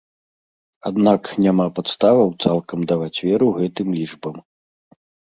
Аднак няма падставаў цалкам даваць веру гэтым лічбам.